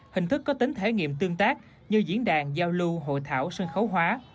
hình thức có tính thể nghiệm tương tác như diễn đàn giao lưu hội thảo sân khấu hóa